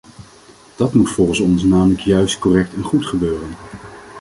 Dat moet volgens ons namelijk juist, correct en goed gebeuren.